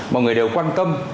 mọi người đều quan tâm